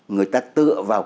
người ta tựa vào